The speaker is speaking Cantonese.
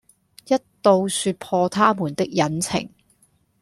一到説破他們的隱情，